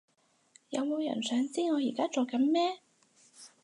有冇人想知我而家做緊咩？